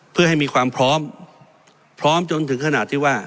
เพื่อให้มีความพร้อมพร้อมจนถึงขนาดที่ว่า